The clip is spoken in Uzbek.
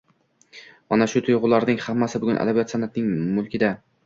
Mana shu tuygʻularning hammasi bugun adabiyot, sanʼatning mulkida.